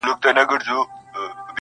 فرمانونه چي خپاره سول په ځنګلو کي!.